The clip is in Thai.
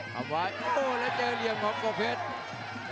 เอาไว้โต้แล้วเจอเหลี่ยมของตัวเพชร